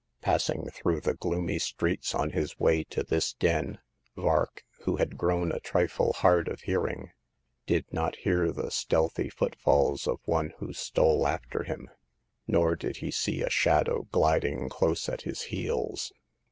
Passing through the gloomy streets on his way to this den, Vark, who had grown a trifle hard of hearing, did not hear the stealthy footfalls of one who stole after him ; nor did he see a shadow gliding close at his heels.